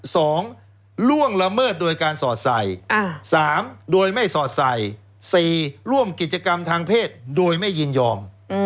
ล่วงละเมิดโดยการสอดใส่สามโดยไม่สอดใส่สี่ร่วมกิจกรรมทางเพศโดยไม่ยินยอม